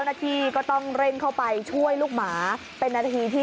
ยังต้องเร่งเข้าไปช่วยลูกหมาเป็นนาทีที่